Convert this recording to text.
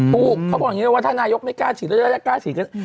เขาบอกอย่างนี้เลยว่าถ้านายกไม่กล้าฉีดแล้วจะได้กล้าฉีดกัน